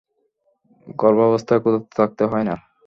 গর্ভাবস্থায় ক্ষুধার্ত থাকতে হয় না।